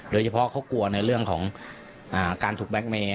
โดยเฉพาะเขากลัวในเรื่องของการถูกแบล็กเมย์